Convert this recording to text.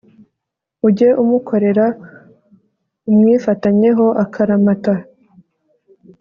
Ujye umukorera, umwifatanyeho akaramata